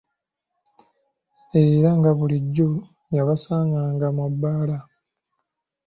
Era nga bulijjo yabasanganga mu bbaala.